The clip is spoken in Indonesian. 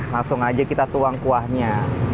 langsung aja kita tuang kuahnya